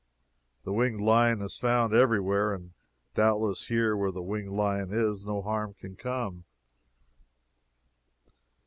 The winged lion is found every where and doubtless here, where the winged lion is, no harm can come.